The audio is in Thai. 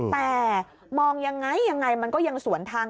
แต่มองยังไงยังไงมันก็ยังสวนทาง